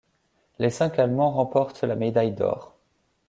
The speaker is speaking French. Les cinq allemands remportent la médaille d'or.